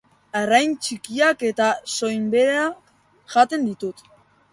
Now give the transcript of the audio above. Arrain txikiak eta soinberak jaten ditu.